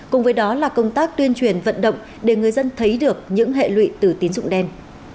cùng với đó là công tác tuyên truyền vận động để người dân thấy được những hệ lụy từ tín dụng đen